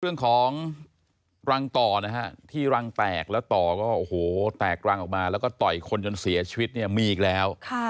เรื่องของรังต่อนะฮะที่รังแตกแล้วต่อก็โอ้โหแตกรังออกมาแล้วก็ต่อยคนจนเสียชีวิตเนี่ยมีอีกแล้ว